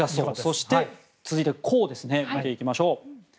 そして、続いて攻を見ていきましょう。